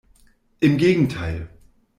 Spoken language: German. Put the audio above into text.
Im Gegenteil!